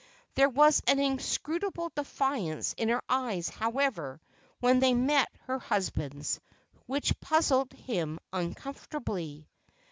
There was an inscrutable defiance in her eyes, however, when they met her husband's, which puzzled him uncomfortably.